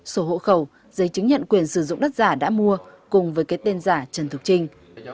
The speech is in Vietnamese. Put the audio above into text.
sổ hộ khẩu giấy chứng nhận quyền sử dụng đất giả đã mua cùng với cái tên giả trần thực trinh